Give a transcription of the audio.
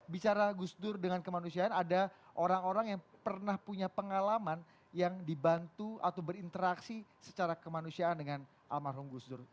bicara gus dur dengan kemanusiaan ada orang orang yang pernah punya pengalaman yang dibantu atau berinteraksi secara kemanusiaan dengan almarhum gus dur